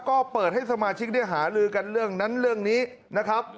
ก็เปิดให้สมาชิกได้หาลือกันเรื่องนั้นเรื่องนี้นะครับ